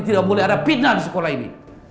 tidak boleh ada pitnah di sekolah ini